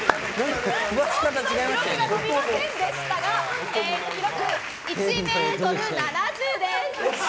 飛びませんでしたが記録、１ｍ７０です。